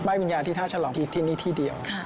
วิญญาณที่ท่าฉลองที่นี่ที่เดียว